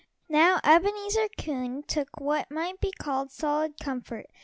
Now Ebenezer Coon took what might be called "solid comfort."